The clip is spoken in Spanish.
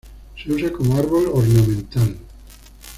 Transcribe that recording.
Se usa como árbol ornamental.